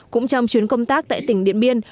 cũng trong chuyến công tác tại tỉnh điện biên